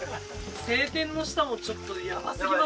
晴天の下もちょっとやばすぎますね。